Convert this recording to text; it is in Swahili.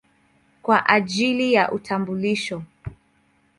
kwa ajili ya utambulisho.